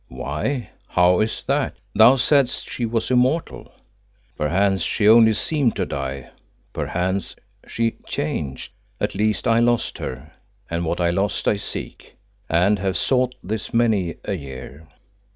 "Why, how is that? Thou saidst she was immortal." "Perchance she only seemed to die; perchance she changed. At least I lost her, and what I lost I seek, and have sought this many a year."